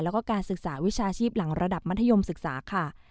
แล้วก็การศึกษาวิชาชีพหลังระดับมัธยมศึกษาค่ะ